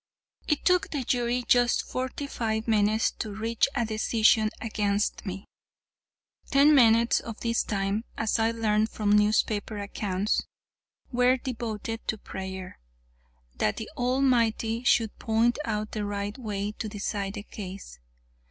It took the jury just forty five minutes to reach a decision against me. Ten minutes of this time, as I learned from newspaper accounts, were devoted to prayer, that the Almighty should point out the right way to decide the case.